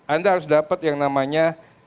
anda harus dapat yang namanya